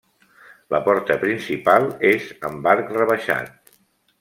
La porta principal és amb arc rebaixat.